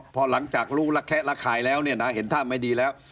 พอหลังจากรู้ระแคะระคายแล้วเนี่ยนะเห็นท่าไม่ดีแล้ว